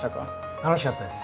楽しかったです。